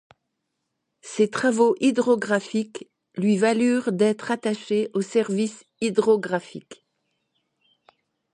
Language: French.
Ses travaux hydrographiques lui valurent d'être attaché au Service hydrographique.